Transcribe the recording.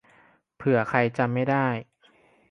เผื่อใครจำไม่ได้